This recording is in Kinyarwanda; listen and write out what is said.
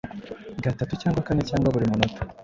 gatatu cyangwa kane cyangwa buri munota,